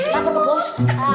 lapar tuh bos